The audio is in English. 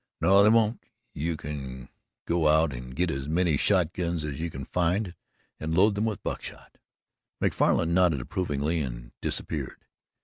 "No, they won't. You go out and get as many shotguns as you can find and load them with buckshot." Macfarlan nodded approvingly and disappeared.